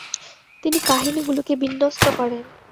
তিনি কাহিনিগুলিকে বিন্যস্ত করেন।